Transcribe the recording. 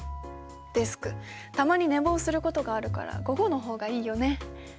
デスクたまに寝坊することがあるから午後の方がいいよね。